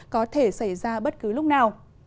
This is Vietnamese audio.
có thể xảy ra bất cứ lúc nào